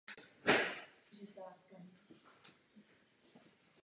Bylo by dobré, kdyby se to opravilo.